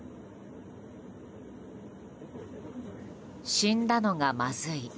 死んだのがまずい。